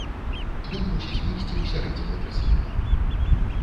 Ён мусіць выйсці ў сярэдзіне красавіка.